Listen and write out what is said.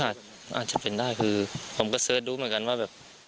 อาจจะเป็นได้คือผมก็เสิร์ชดูเหมือนกันว่าแบบ